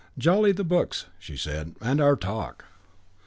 "Jolly, the books," she said. "And our talk."